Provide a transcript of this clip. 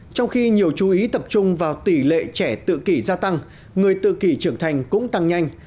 trong khi nhiều chú ý tập trung vào tỷ lệ trẻ tự kỷ gia tăng người tự kỷ trưởng thành cũng tăng nhanh